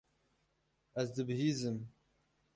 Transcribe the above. Ez dibihîzim.